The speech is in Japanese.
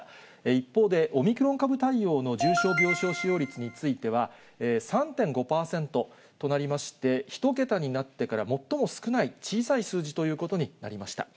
一方で、オミクロン株対応の重症病床使用率については３．５％となりまして、１桁になってから最も少ない、小さい数字ということになりました。